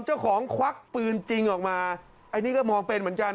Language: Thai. เจ้าของควักปืนจริงออกมาไอ้นี่ก็มองเป็นเหมือนกัน